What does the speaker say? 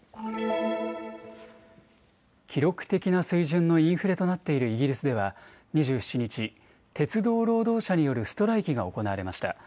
記録的な水準のインフレとなっているイギリスでは２７日、鉄道労働者によるストライキが行われました。